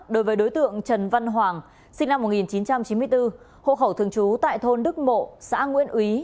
đối với đối tượng trần văn hoàng sinh năm một nghìn chín trăm chín mươi bốn hộ khẩu thường trú tại thôn đức mộ xã nguyễn ý